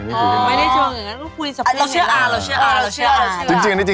เราเชื่ออาร์